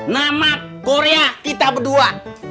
nama korea kita berdua